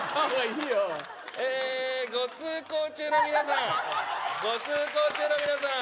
えっご通行中の皆さんご通行中の皆さん